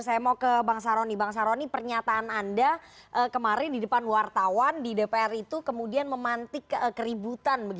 saya mau ke bang saroni bang saroni pernyataan anda kemarin di depan wartawan di dpr itu kemudian memantik keributan